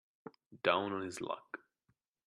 Down on his luck.